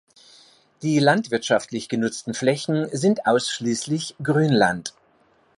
Die landwirtschaftlich genutzten Flächen sind ausschließlich Grünland.